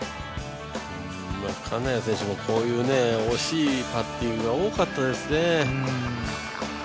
金谷選手もこういうおしいパッティングが多かったですね。